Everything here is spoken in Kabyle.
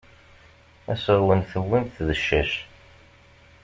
Aseɣwen tewwim-t d ccac.